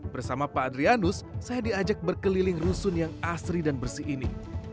bersama pak adrianus saya diajak berkeliling rusun yang asri dan bersih ini